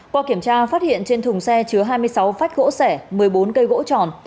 qua kiểm tra phát hiện trên thùng xe chứa hai mươi sáu phách gỗ sẻ một mươi bốn cây gỗ tròn